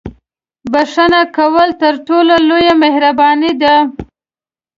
• بښنه کول تر ټولو لویه مهرباني ده.